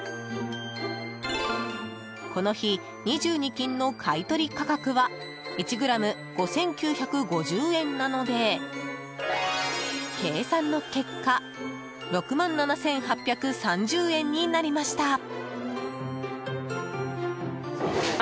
この日、２２Ｋの買取価格は１ｇ５９５０円なので計算の結果６万７８３０円になりました。